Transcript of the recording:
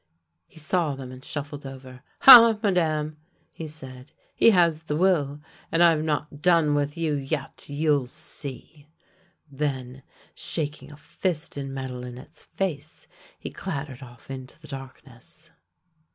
He saw them and shuffled over. " Ha, Madame! " he said, " he has the will, and I've not done with you yet — you'll see!" Then, shaking a fist in Madelinette's face, he clattered off into the darkness.